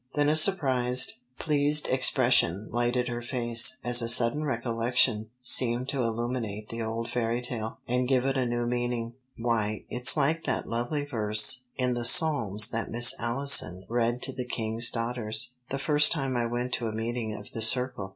Then a surprised, pleased expression lighted her face, as a sudden recollection seemed to illuminate the old fairy tale, and give it a new meaning. "Why, it's like that lovely verse in the Psalms that Miss Allison read to the King's Daughters, the first time I went to a meeting of the Circle.